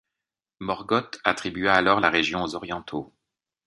Morgoth attribua alors la région aux Orientaux.